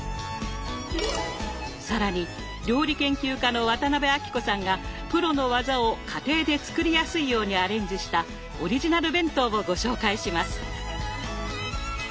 更に料理研究家の渡辺あきこさんがプロの技を家庭で作りやすいようにアレンジしたオリジナル弁当をご紹介します。